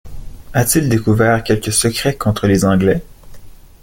A-t-il découvert quelque secret contre les Anglais?